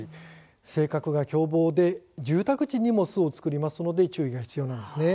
性格が凶暴で住宅地にも巣を作りますので注意が必要です。